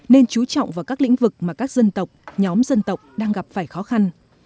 nên chú trọng vào các lĩnh vực mà các dân tộc nhóm dân tộc đang gặp phải khó khăn